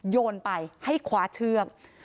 โยนไปให้คว้าเชือก